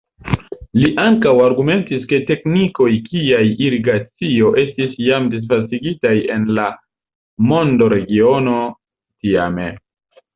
Li ankaŭ argumentis ke teknikoj kiaj irigacio estis jam disvastigitaj en la mondoregiono tiame.